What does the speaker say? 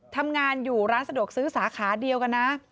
ทำงานอยู่ร้านสะดวกซื้อสาขาเดียวกันนะ